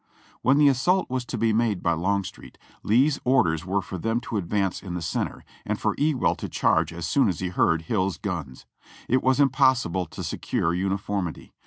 When the assault was to be made by Longstreet, Lee's order. \\ere for them to advance in the center, and for Ewell to charge as soon as he heard Hill's guns. It was impossible to secure uniformity.